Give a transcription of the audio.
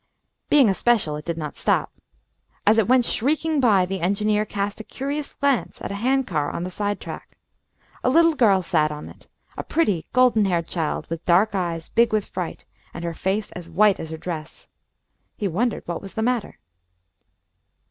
Being a special, it did not stop. As it went shrieking by, the engineer cast a curious glance at a hand car on the side track. A little girl sat on it, a pretty golden haired child with dark eyes big with fright, and her face as white as her dress. He wondered what was the matter.